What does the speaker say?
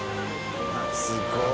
すごーい！